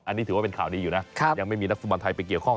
อันนี้ถือว่าเป็นข่าวดีอยู่นะยังไม่มีนักฟุตบอลไทยไปเกี่ยวข้อง